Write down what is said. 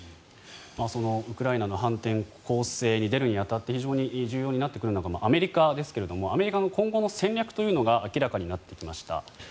そのウクライナの反転攻勢に出るに当たって非常に重要になってくるのがアメリカですがアメリカの今後の戦略というのが明らかになってきました。